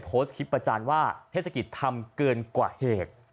โพสต์คลิปประจานว่าเทศกิจทำเกินกว่าเหตุ